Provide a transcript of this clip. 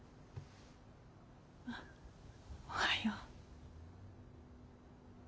あおはよう。